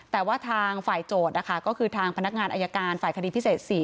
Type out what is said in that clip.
แต่ว่าทางฝ่ายโจทย์นะคะก็คือทางพนักงานอายการฝ่ายคดีพิเศษ๔